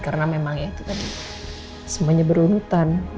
karena memang itu kan semuanya beruntung